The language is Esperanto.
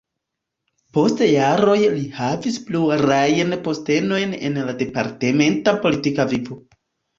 Post jaroj li havis plurajn postenojn en la departementa politika vivo.